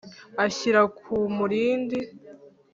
Ashyira ku murindi